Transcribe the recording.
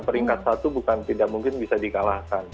peringkat satu bukan tidak mungkin bisa dikalahkan